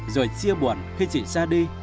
rồi chia buồn khi chị ra đi